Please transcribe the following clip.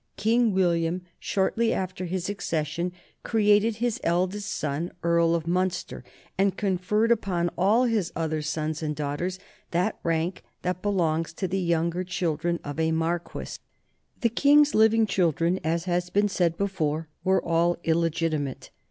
King William shortly after his accession created his eldest son Earl of Munster, and conferred upon all his other sons and daughters the rank that belongs to the younger children of a marquis. The King's living children, as has been said before, were all illegitimate.